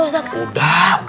belum di elong